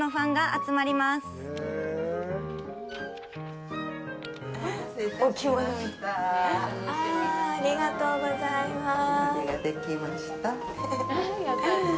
ありがとうございます。